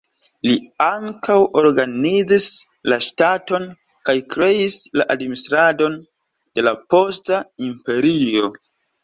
Li ankaŭ organizis la ŝtaton, kaj kreis la administradon de la posta imperio.